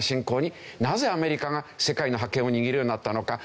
なぜアメリカが世界の覇権を握るようになったのか？